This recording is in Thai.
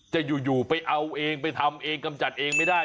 จะอยู่ไปเอาเองไปทำเองกำจัดเองไม่ได้